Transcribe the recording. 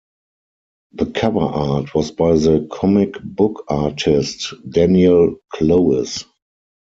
The cover art was by the comic book artist Daniel Clowes.